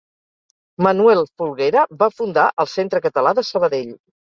Manuel Folguera va fundar el Centre Català de Sabadell.